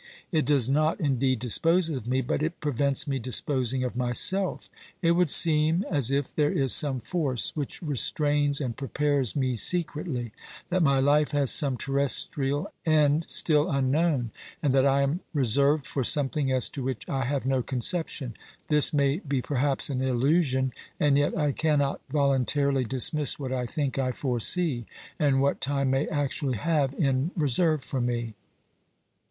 It does not indeed dispose of me, but it prevents me disposing of myself It would seem as if there is some force which restrains and prepares me secretly, that my life has some terrestrial end still unknown, and that I am reserved for something as to which I have no conception. This may be perhaps an illusion, and yet I cannot voluntarily dismiss what I think I foresee, and what time may actually have in reserve for me.